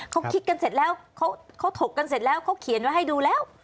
เขาคิดกันเสร็จแล้วเขาถกกันเสร็จแล้วเขาเขียนไว้ให้ดูแล้ว